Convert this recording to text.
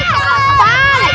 aduh apaan ini